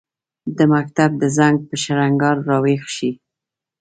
د مکتب د زنګ، په شرنګهار راویښ شي